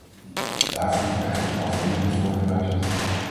Daarvoor moet echter de overeenkomst worden gewijzigd.